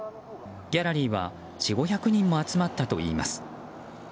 ギャラリーは４００５００人も集まったといいます。